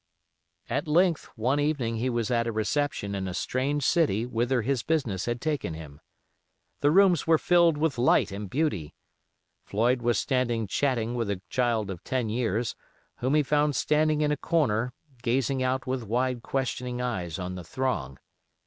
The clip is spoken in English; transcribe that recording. At length one evening he was at a reception in a strange city whither his business had taken him. The rooms were filled with light and beauty. Floyd was standing chatting with a child of ten years, whom he found standing in a corner, gazing out with wide questioning eyes on the throng.